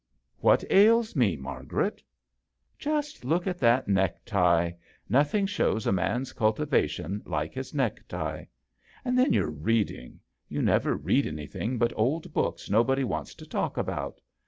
" What ails me, Margaret ?"" Just look at that necktie ! Nothing shows a man's culti vation like his necktie. Then your reading ! You never read anything but old books nobody wants to talk about.